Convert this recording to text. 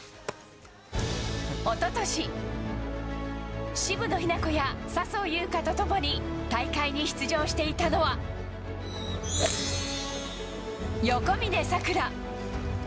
おととし、渋野日向子や笹生優花と共に大会に出場していたのは、横峯さくら。